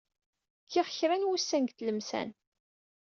Kkiɣ kra n wussan deg Tlemsan.